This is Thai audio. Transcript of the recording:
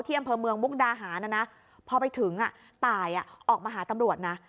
อำเภอเมืองมุกดาหารนะนะพอไปถึงตายออกมาหาตำรวจนะ